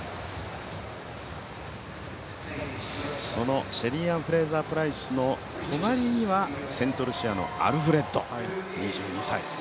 そのシェリーアン・フレイザープライスの隣にはセントルシアのアルフレッド２２歳。